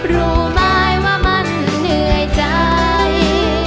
รู้ไหมว่ามันเหนื่อยใจ